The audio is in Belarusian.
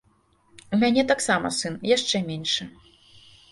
У мяне таксама сын, яшчэ меншы.